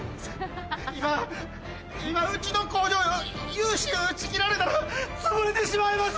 今今うちの工場融資打ち切られたらつぶれてしまいます！